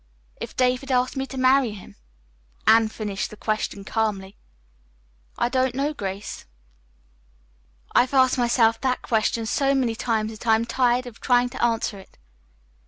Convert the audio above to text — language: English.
"If David asked me to marry him?" Anne finished the question calmly. "I don't know, Grace. I've asked myself that question so many times that I am tired of trying to answer it.